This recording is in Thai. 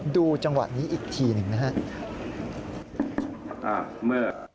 ดูจังหวะนี้อีกทีหนึ่งนะครับ